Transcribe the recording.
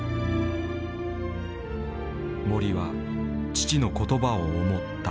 森は父の言葉を思った。